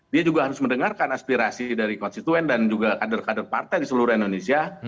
dia juga harus mendengarkan aspirasi dari konstituen dan juga kader kader partai di seluruh indonesia